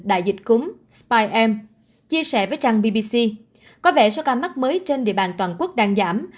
đại dịch cúng spirem chia sẻ với trang bbc có vẻ số ca mắc mới trên địa bàn toàn quốc đang giảm